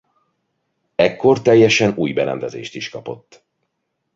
Ekkor teljesen új berendezést is kapott.